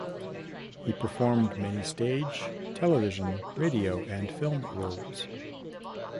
He performed many stage, television, radio and film roles.